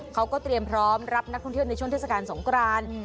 เขาก็เตรียมพร้อมรับนักท่องเที่ยวในช่วงเทศกาลสงคราน